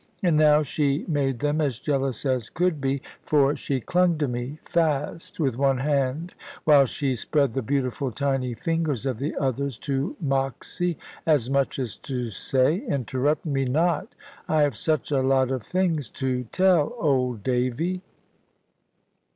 And now she made them as jealous as could be, for she clung to me fast with one hand, while she spread the beautiful tiny fingers of the other to Moxy, as much as to say, "Interrupt me not; I have such a lot of things to tell old Davy."